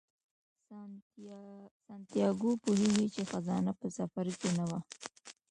سانتیاګو پوهیږي چې خزانه په سفر کې نه وه.